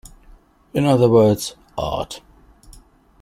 In other words, Art.